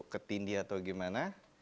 ketindi atau gimana